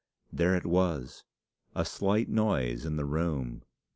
There it was a slight noise in the room!